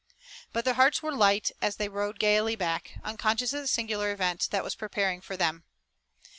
But their hearts were light and they rode gaily back, unconscious of the singular event that was preparing for them.